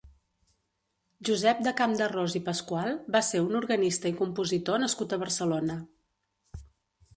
Josep de Campderrós i Pascual va ser un organista i compositor nascut a Barcelona.